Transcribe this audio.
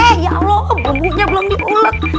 eh ya allah bumbunya belum diulek